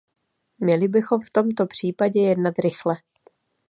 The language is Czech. Měli bychom v tomto případě jednat rychle.